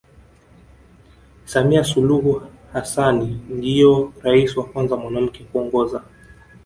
Samia Suluhu Hassanni Ndio rais wa Kwanza mwanamke kuongoza